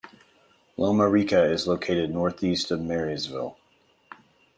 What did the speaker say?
Loma Rica is located northeast of Marysville.